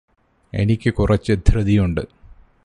എനിക്ക് കുറച്ച് ധൃതിയുണ്ട്